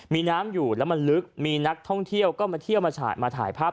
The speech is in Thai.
มีน้ำอยู่แล้วมันลึกมีนักท่องเที่ยวก็มาเที่ยวมาถ่ายภาพ